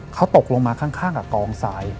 เขาตกลงมาข้างกับกองทราย